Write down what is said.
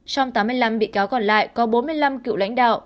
trong tám mươi năm bị cáo còn lại có bốn mươi năm cựu lãnh đạo